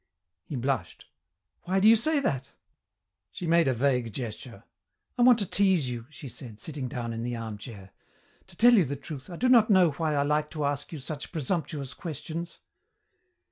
He blushed. "Why do you say that?" She made a vague gesture. "I want to tease you," she said, sitting down in the armchair. "To tell you the truth, I do not know why I like to ask you such presumptuous questions."